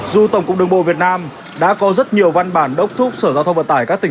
dù tổng cục đường bộ việt nam đã có rất nhiều văn bản đốc thúc sở giao thông vận tải các tỉnh